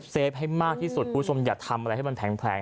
เฟฟให้มากที่สุดคุณผู้ชมอย่าทำอะไรให้มันแผลง